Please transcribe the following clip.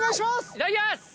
いただきます！